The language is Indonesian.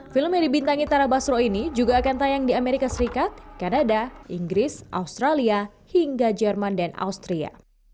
film yang dibintangi tara basro ini juga akan tayang di amerika serikat kanada inggris australia hingga jerman dan austria